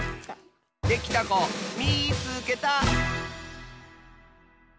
できたこみいつけた！